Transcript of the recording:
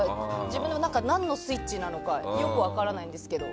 自分の何のスイッチなのかよく分からないんですけど。